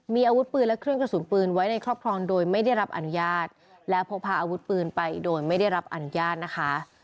มีอาวุธปืนและเครื่องกระสุนปืนไว้ในครอบครองโดยไม่ได้รับอนุญาตและพกพาอาวุธปืนไปโดยไม่ได้รับอนุญาตนะคะ